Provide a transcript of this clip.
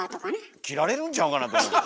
切られるんちゃうかなと思う。